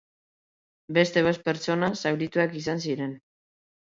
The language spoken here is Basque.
Beste bost pertsona zaurituak izan ziren.